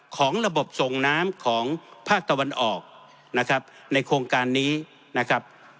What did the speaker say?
ของระบบส่งน้ำของภาคตะวันออกนะครับในโครงการนี้นะครับ